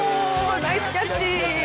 ナイスキャッチ！